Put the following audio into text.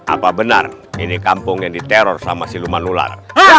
apa benar ini kampung yang diteror sama siluman ular